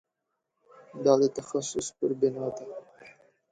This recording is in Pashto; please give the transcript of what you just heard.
دا د تخصص پر بنا ده.